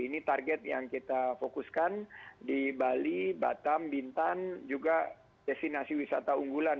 ini target yang kita fokuskan di bali batam bintan juga destinasi wisata unggulan